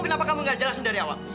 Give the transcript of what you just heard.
kenapa kamu gak jelasin dari awal